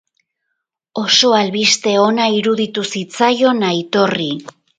Oso albiste ona iruditu zitzaion Aitorri.